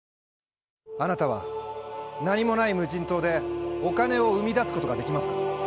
あなたは、何もない無人島で、お金を生み出すことができますか？